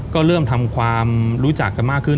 ก็เริ่มทำความรู้จักกันมากขึ้น